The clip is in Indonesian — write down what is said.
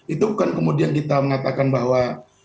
itu bukan kemudian kita mengatakan bahwa